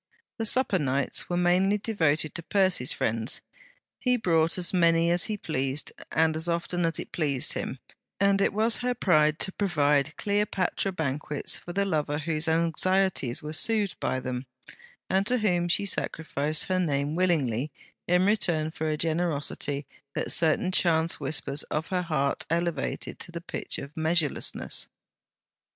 The supper nights were mainly devoted to Percy's friends. He brought as many as he pleased, and as often as it pleased him; and it was her pride to provide Cleopatra banquets for the lover whose anxieties were soothed by them, and to whom she sacrificed her name willingly in return for a generosity that certain chance whispers of her heart elevated to the pitch of measureless.